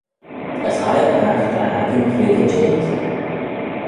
As hie ad magh dy 'akin cre va jeant.